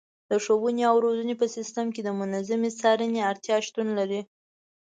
د ښوونې او روزنې په سیستم کې د منظمې څارنې اړتیا شتون لري.